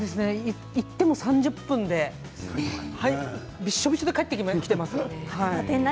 行っても３０分でびしょびしょで帰ってきています。